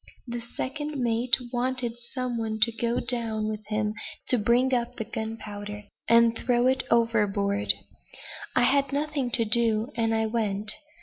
The second mate wanted some one to go down with him to bring up the gunpowder, and throw it overboard. I had nothing to do, and I went.